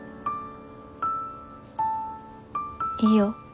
いいよ